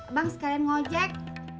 abang sekalian ngojek